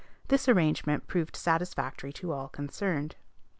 This arrangement proved satisfactory to all concerned.